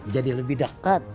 jadi lebih dekat